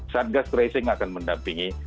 satgas tracing akan mendampingi